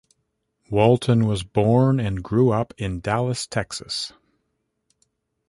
Walton was born and grew up in Dallas, Texas.